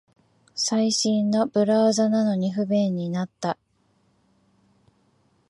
最新のブラウザなのに不便になった